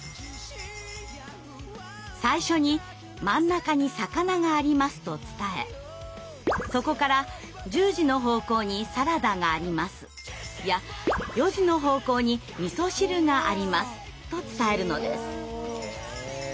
最初に「真ん中に魚があります」と伝えそこから「１０時の方向にサラダがあります」や「４時の方向にみそ汁があります」と伝えるのです。